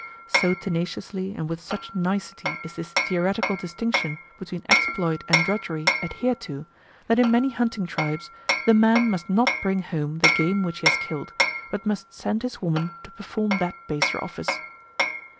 So tenaciously and with such nicety is this theoretical distinction between exploit and drudgery adhered to that in many hunting tribes the man must not bring home the game which he has killed, but must send his woman to perform that baser office.